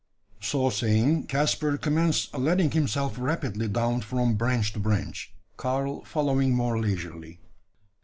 So saying, Caspar commenced letting himself rapidly down from branch to branch, Karl following more leisurely.